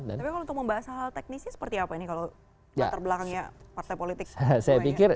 tapi kalau untuk membahas hal hal teknisnya seperti apa ini kalau latar belakangnya partai politik semuanya